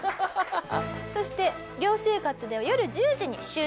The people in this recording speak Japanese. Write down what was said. そして寮生活では夜１０時に就寝。